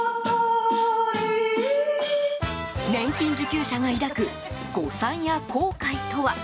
年金受給者が抱く誤算や後悔とは。